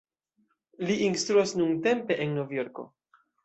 Li instruas nuntempe en Novjorko.